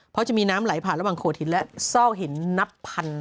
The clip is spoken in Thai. เพราะจะมีน้ำไหลผ่านระหว่างโขดหินและซอกหินนับพัน